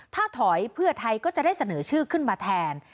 ถ้าถอยเพื่อไทยก็จะได้เสนอชื่อขึ้นมาแทน